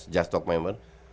just talk member